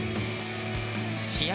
試合